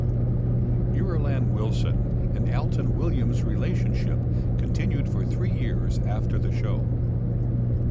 Irulan Wilson and Alton Williams' relationship continued for three years after the show.